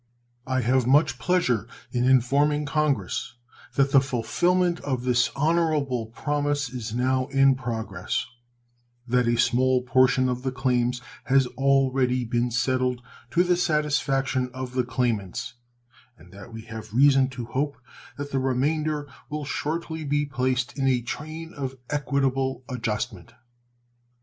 I have much pleasure in informing Congress that the fulfillment of this honorable promise is now in progress; that a small portion of the claims has already been settled to the satisfaction of the claimants, and that we have reason to hope that the remainder will shortly be placed in a train of equitable adjustment.